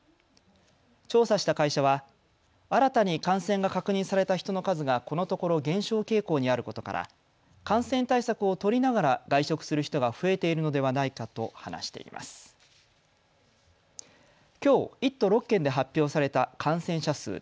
調査した会社は新たに感染が確認された人の数がこのところ減少傾向にあることから感染対策を取りながら外食する人が増えているのではないかと話しています。